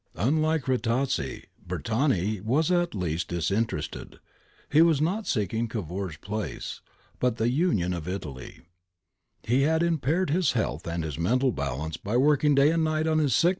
*^ Unhke Rattazzi, Bertani was at least disinterested ; he was not seeking Cavour's place, but the union of Italy. He had impaired his health and his mental balance by working day and night on his sick bed at Genoa, organ 1 Mtindy, 238 244.